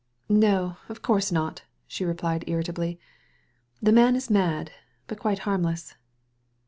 "No, of course not!'* she replied irritably; •'the man is mad, but quite harmless.